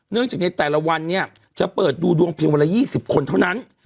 เนื่องจากในแต่ละวันจะเปิดดูดวงเพียงวันละ๒๐คนเท่านั้น